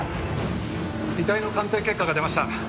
遺体の鑑定結果が出ました。